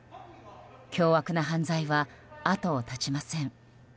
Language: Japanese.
凶悪な犯罪はあとを絶ちません。